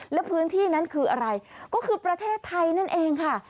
และพื้นที่นั้นคืออะไรก็คือประเทศไทยนั่นเองค่ะ